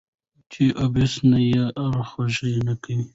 چې اېپوسه نه یې ارخوشي نه کي.